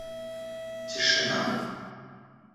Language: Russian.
тишина